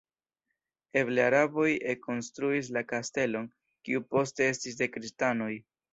Eble araboj ekkonstruis la kastelon, kiu poste estis de kristanoj.